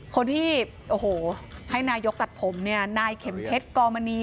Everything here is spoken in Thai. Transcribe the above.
คนที่ให้นายกรัฐมนตรีนายเข็มเพชรกอมมณี